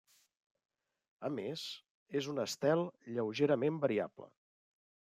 A més, és un estel lleugerament variable.